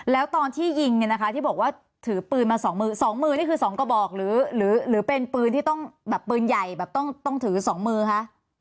แล้วตอนที่ยิงเนี่ยนะคะที่บอกว่าถือปืนมาสองมือสองมือนี่คือ๒กระบอกหรือเป็นปืนที่ต้องแบบปืนใหญ่แบบต้องถือสองมือคะ